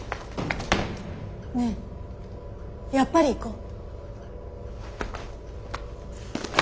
ねえやっぱり行こう。